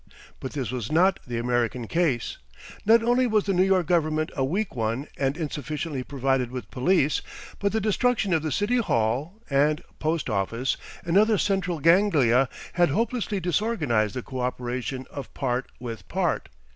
But this was not the American case. Not only was the New York Government a weak one and insufficiently provided with police, but the destruction of the City Hall and Post Office and other central ganglia had hopelessly disorganised the co operation of part with part.